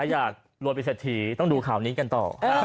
ถ้าอยากรวดไปเสร็จถีต้องดูข่าวนี้กันต่อเออ